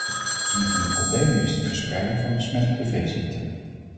Een van die problemen is de verspreiding van besmettelijke veeziekten.